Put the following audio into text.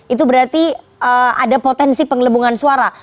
itu berarti ada potensi pengelebungan suara